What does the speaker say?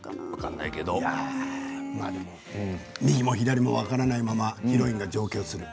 でも右も左も分からないままヒロインが上京する。